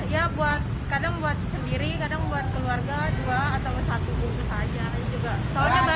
ya kadang buat sendiri kadang buat keluarga dua atau satu bumbu saja